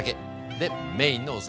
でメインのお皿！